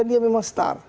dia memang star